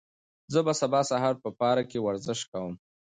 زه به سبا سهار په پارک کې ورزش کوم.